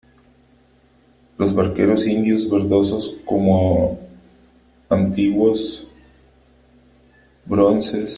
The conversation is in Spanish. los barqueros indios , verdosos como antiguos bronces ,